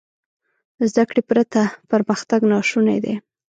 زده کړې پرته پرمختګ ناشونی دی.